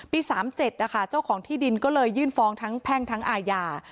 ๓๗นะคะเจ้าของที่ดินก็เลยยื่นฟ้องทั้งแพ่งทั้งอาญา